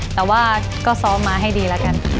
แต่ว่าก็ซ้อมมาให้ดีแล้วกัน